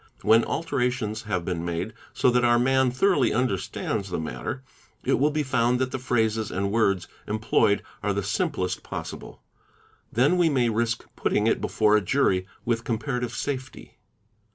When alterations have been made so that our man thoroughly understands the matter, it will be found that the phrases and words él Be Ployed are the simplest possible: then we may risk putting it before a jury with comparative safety.